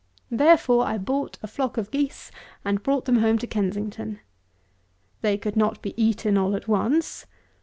Therefore I bought a flock of geese, and brought them home to Kensington. They could not be eaten all at once.